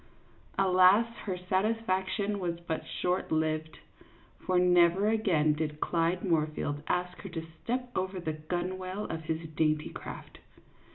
Alas, her satisfaction was but short lived ; for never again did Clyde Moorfield ask her to step over the gunwale of his dainty craft.